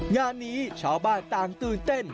งานนี้ชาวบ้านต่างตื่นเต้น